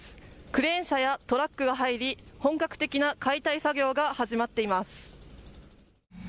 クレーン車やトラックが入り本格的な解体作業が始まっています。